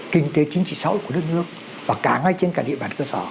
kinh tế chính trị xã hội của đất nước và cả ngay trên cả địa bàn cơ sở